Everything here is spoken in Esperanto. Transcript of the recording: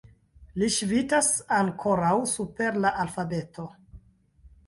Li ŝvitas ankoraŭ super la alfabeto.